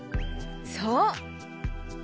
そう。